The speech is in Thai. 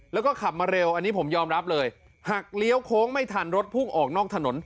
แล้วก็ขับมาเร็วอันนี้ผมยอมรับเลยหักเลี้ยวโค้งไม่ทันรถพุ่งออกนอกถนน